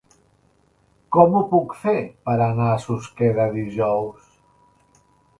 Com ho puc fer per anar a Susqueda dijous?